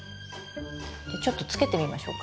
ちょっとつけてみましょうか。